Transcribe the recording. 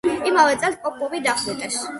იმავე წელს პოპოვი დახვრიტეს.